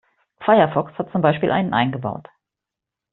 Firefox hat zum Beispiel einen eingebaut.